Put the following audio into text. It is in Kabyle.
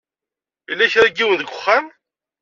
Yella kra n yiwen deg uxxam.